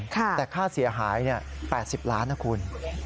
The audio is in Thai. แต่ค่าเสียหาย๘๐ล้านนะคุณ